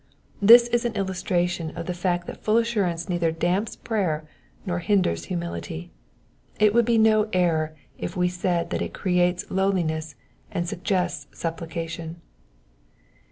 This is an illustration of the fact that full assurance neither damps prayer nor hinders himiility. It would be no error if we said that it creates lowliness and suggests supplication.